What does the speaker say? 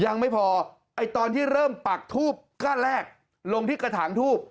ยังไม่พอไอ้ตอนที่เริ่มปักทูบก้านแรกลงที่กระถางทูบ